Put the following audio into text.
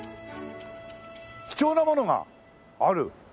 貴重なものがある？